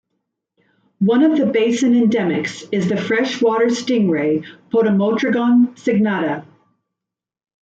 One of the basin endemics is the freshwater stingray "Potamotrygon signata".